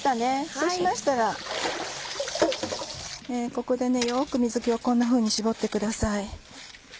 そうしましたらここでよく水気をこんなふうに絞ってください。